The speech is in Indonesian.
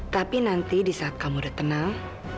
tapi nanti di saat kamu udah tenang